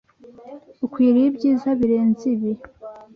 Ukwiriye ibyiza birenze ibi.